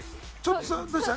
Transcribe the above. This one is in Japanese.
どうした？